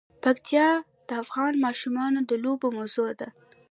پکتیا د افغان ماشومانو د لوبو موضوع ده.